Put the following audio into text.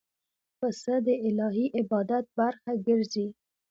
پسه د الهی عبادت برخه ګرځي.